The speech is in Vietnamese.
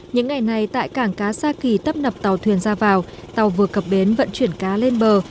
những ngày này tại cảng cá sa kỳ tấp nập tàu thuyền ra vào tàu vừa cập bến vận chuyển cá lên bờ